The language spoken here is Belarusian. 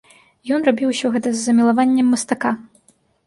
Ён рабіў усё гэта з замілаваннем мастака.